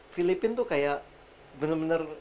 filipina tuh kayak bener bener